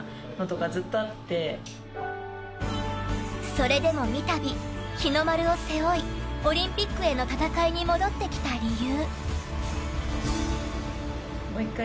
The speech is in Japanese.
それでも三度、日の丸を背負いオリンピックへの戦いに戻ってきた理由。